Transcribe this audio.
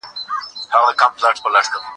زه ليکنه نه کوم.